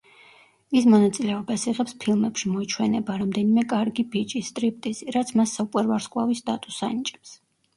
ის მონაწილეობას იღებს ფილმებში: „მოჩვენება“, „რამდენიმე კარგი ბიჭი“, „სტრიპტიზი“, რაც მას სუპერვარსკვლავის სტატუსს ანიჭებს.